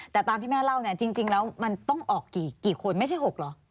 แต่ตามที่แม่เล่าเนี่ยจริงแล้วมันต้องออกกี่คนไม่ใช่๖เหรอ